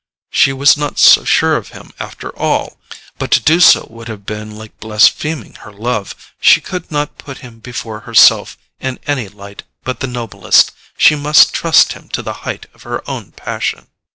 She was not so sure of him, after all! But to do so would have been like blaspheming her love. She could not put him before herself in any light but the noblest: she must trust him to the height of her own passion.